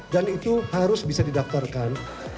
dan itu harus bisa didaftarkan